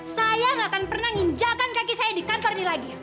saya gak akan pernah nginjakan kaki saya di kantor ini lagi